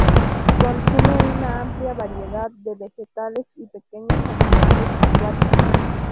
Consume una amplia variedad de vegetales y pequeños animales acuáticos.